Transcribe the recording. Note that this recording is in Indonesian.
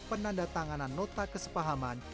penanda tanganan nota kesepahaman